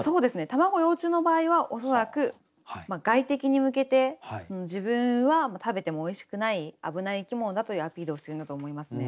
卵幼虫の場合は恐らく外敵に向けて自分は食べてもおいしくない危ない生き物だというアピールをしてるんだと思いますね。